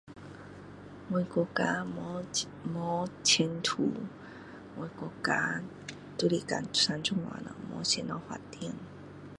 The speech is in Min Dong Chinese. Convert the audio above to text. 我国家没今没前途我国家就是这样了没什么发展